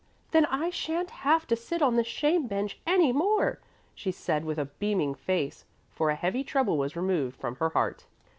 "Then I shan't have to sit on the shame bench any more," she said with a beaming face, for a heavy trouble was removed from her heart.